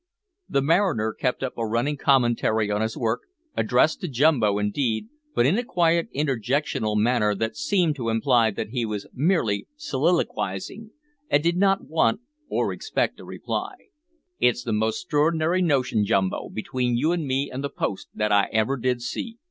The mariner kept up a running commentary on his work, addressed to Jumbo indeed, but in a quiet interjectional manner that seemed to imply that he was merely soliloquising, and did not want or expect a reply. "It's the most 'stror'nary notion, Jumbo, between you and me and the post, that I ever did see.